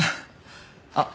あっ！